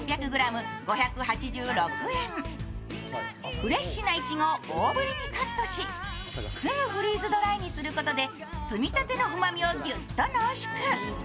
フレッシュないちごを大ぶりにカットし、すぐフリーズドライにすることで摘みたての風味を凝縮。